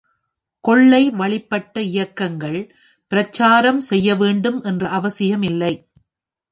கொள்கை வழிப்பட்ட இயக்கங்கள், பிரச்சாரம் செய்யவேண்டும் என்ற அவசியம் இல்லை.